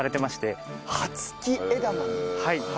はい。